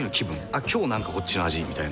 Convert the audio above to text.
「あっ今日なんかこっちの味」みたいな。